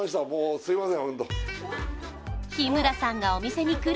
すいません